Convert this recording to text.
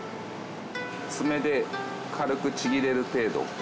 爪で軽くちぎれる程度。